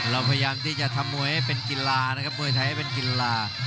เราพยายามที่จะทำมวยให้เป็นกีฬานะครับมวยไทยให้เป็นกีฬา